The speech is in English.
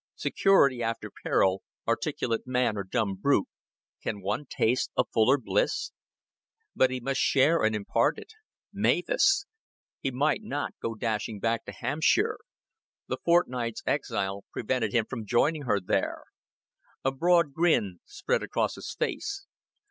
Security after peril articulate man or dumb brute, can one taste a fuller bliss? But he must share and impart it. Mavis! He might not go dashing back to Hampshire the fortnight's exile prevented him from joining her there. A broad grin spread across his face.